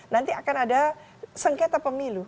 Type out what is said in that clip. nanti akan ada sengketa pemilu